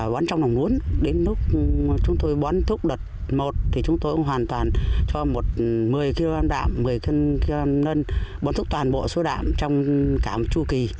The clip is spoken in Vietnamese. bán trong đồng nốn đến lúc chúng tôi bán thuốc đợt một thì chúng tôi hoàn toàn cho một mươi kg nân bán thuốc toàn bộ số đạm trong cả một chùa kỳ